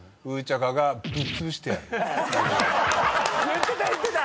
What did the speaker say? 言ってた言ってた！